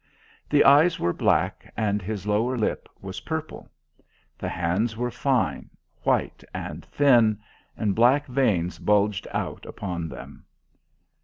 The eyes were black, and his lower lip was purple. The hands were fine, white and thin, and black veins bulged out upon them.